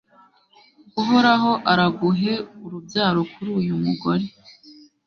uhoraho araguhe urubyaro kuri uyu mugore